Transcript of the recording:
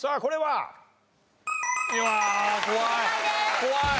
怖い。